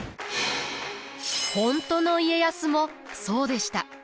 本当の家康もそうでした。